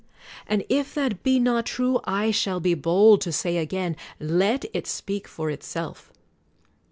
And 123 CROMWELL if that be not true I shall be bold to say again, Let it speak for itself.